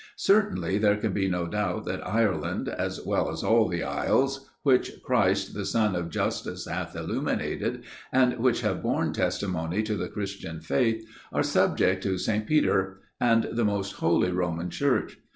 Certainly, there can be no doubt that Ireland, as well as all the isles, which Christ the Sun of justice hath illuminated, and which have borne testimony to the Christian Faith, are subject to St. Peter, and the most Holy Roman Church.